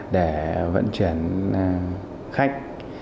để vận chuyển khách